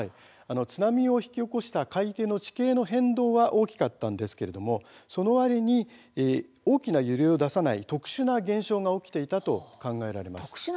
津波を引き起こした海底の地形の変動は大きかったんですがそのわりに、大きな揺れを出さない特殊な現象が起きていたと考えられます。